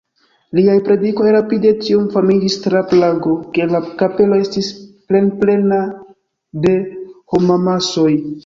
Liaj predikoj rapide tiom famiĝis tra Prago, ke la kapelo estis plenplena de homamasoj.